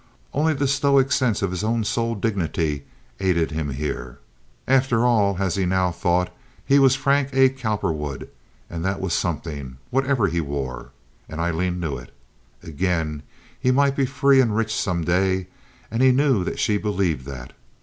Only a stoic sense of his own soul dignity aided him here. After all, as he now thought, he was Frank A. Cowperwood, and that was something, whatever he wore. And Aileen knew it. Again, he might be free and rich some day, and he knew that she believed that.